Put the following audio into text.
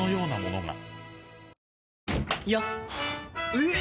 えっ！